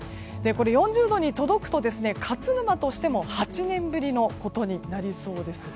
４０度に届くと、勝沼としても８年ぶりのことになりそうです。